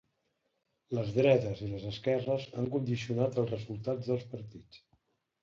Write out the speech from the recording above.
Les dretes i les esquerres han condicionat els resultats dels partits.